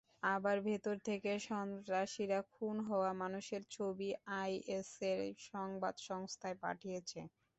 আবার ভেতর থেকে সন্ত্রাসীরা খুন হওয়া মানুষের ছবি আইএসের সংবাদ সংস্থায় পাঠিয়েছে।